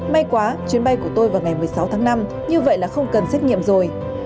may quá chuyến bay của tôi vào ngày một mươi sáu tháng năm như vậy là không cần xét nghiệm rồi